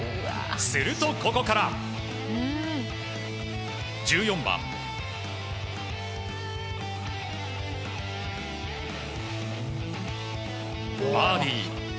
すると、ここから１４番、バーディー。